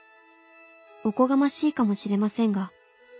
おこがましいかもしれませんが英語教師より